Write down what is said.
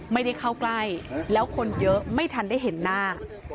ไม่ได้เข้าใกล้แล้วคนเยอะไม่ทันได้เห็นหน้า